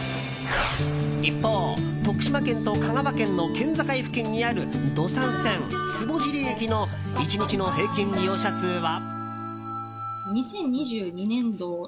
一方徳島県と香川県の県境付近にある土讃線坪尻駅の１日の平均利用者数は。